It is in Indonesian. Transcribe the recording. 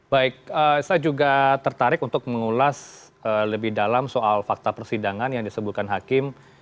baik saya juga tertarik untuk mengulas lebih dalam soal fakta persidangan yang disebutkan hakim